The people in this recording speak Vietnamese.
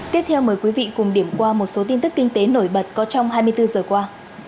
tiếp theo mời quý vị cùng điểm qua một số tin tức kinh tế nổi bật có trong hai mươi bốn giờ qua